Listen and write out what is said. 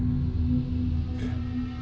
ええ。